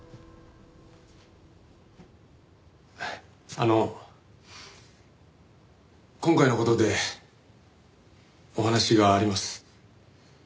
あの今回の事でお話があります。